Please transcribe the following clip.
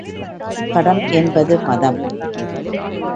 கடம் என்பது மதம்.